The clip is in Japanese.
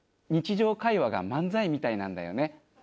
日常会話が漫才みたいなんだよね。